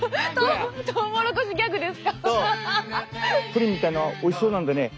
プリンみたいなのおいしそうなんでね